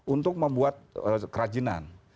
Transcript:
untuk membuat kerajinan